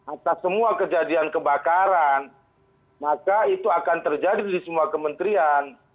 atas semua kejadian kebakaran maka itu akan terjadi di semua kementerian